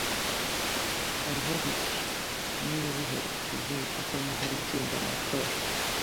Hariho bike, niba bihari, twizere ko Tom azatsinda amatora